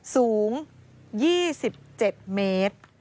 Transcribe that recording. สูงยี่สิบเจ็ดเมตร